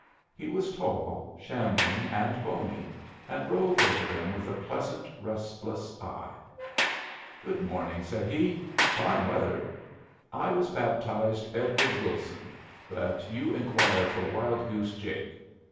He was tall, shambling, and bony, and roved over them with a pleasant, restless eye. "Good morning," said he. "Fine weather. I was baptized Edward Wilson, but you inquire for Wild Goose Jake.